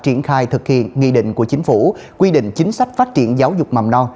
triển khai thực hiện nghị định của chính phủ quy định chính sách phát triển giáo dục mầm non